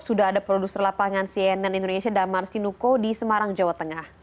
sudah ada produser lapangan cnn indonesia damar sinuko di semarang jawa tengah